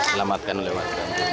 selamatkan oleh warga